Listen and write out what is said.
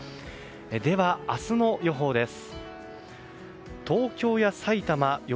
では、明日の予報です。